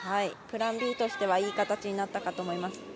プランＢとしてはいい形になったと思います。